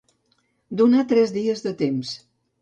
Donar tres dies de temps.